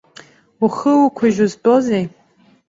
Ухы уқәыжь узтәоузеи?